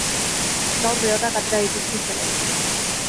Gaur behorrak atera dituzte zelaitik.